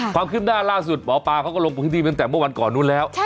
ความคืบหน้าล่าสุดหมอปลาเขาก็ลงพื้นที่ไปตั้งแต่เมื่อวันก่อนนู้นแล้ว